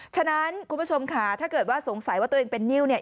ฉะนั้นคุณผู้ชมค่ะถ้าเกิดว่าสงสัยว่าตัวเองเป็นนิ้วเนี่ย